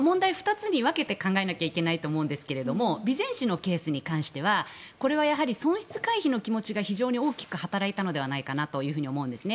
つに分けて考えなきゃいけないと思うんですけども備前市のケースに関してはこれは損失回避の気持ちが非常に大きく働いたのではないかと思うんですね。